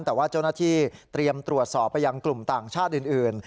แต่ว่าเจ้าหน้าที่เตรียมตรวจสอบไปยังกลุ่มต่างชาติอื่น